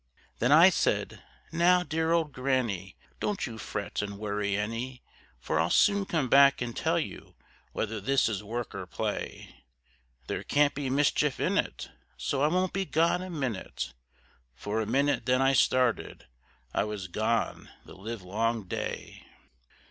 Then I said, "Now, dear old granny, don't you fret and worry any, For I'll soon come back and tell you whether this is work or play; There can't be mischief in it, so I won't be gone a minute" For a minute then I started. I was gone the livelong day.